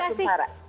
terima kasih para